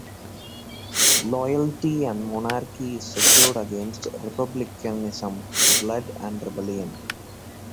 Loyalty and monarchy is secured against republicanism, blood, and rebellion.